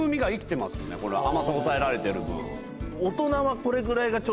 甘さ抑えられてる分。